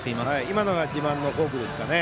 今のが自慢のフォークですかね。